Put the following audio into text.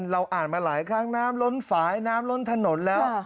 เราอ่านมาหลายครั้งน้ำล้นฝ่ายน้ำล้นถนนแล้ว